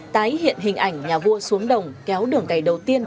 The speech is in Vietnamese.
tái hiện hình ảnh nhà vua xuống đồng kéo đường cày đầu tiên